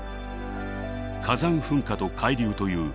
火山噴火と海流という一見